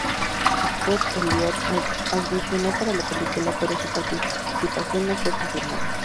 Scott Elliott audicionó para la película, pero su participación no fue confirmada.